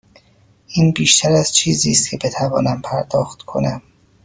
این بیشتر از چیزی است که بتوانم پرداخت کنم.